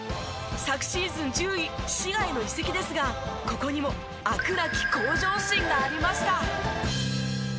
昨シーズン１０位滋賀への移籍ですがここにも飽くなき向上心がありました。